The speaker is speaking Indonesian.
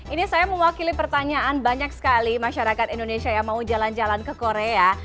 ini saya mewakili pertanyaan banyak sekali masyarakat indonesia yang mau jalan jalan ke korea